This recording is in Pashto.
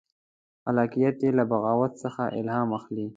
خلاقیت یې له بغاوت څخه الهام اخلي.